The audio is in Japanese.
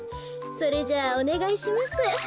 それじゃあおねがいします。